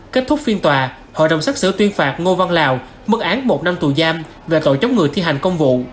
kết thúc phiên tòa hội đồng xác xử tuyên phạt ngô văn lào mức án một năm tù giam về tội chống người thi hành công vụ